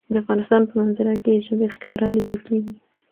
د افغانستان په منظره کې ژبې ښکاره لیدل کېږي.